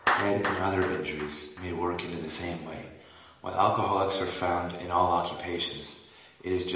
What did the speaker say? Head and other injuries may work in the same way. While alcoholics are found in all occupations, it is 1 J.